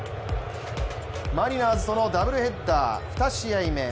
マリナーズとのダブルヘッダー、２試合目。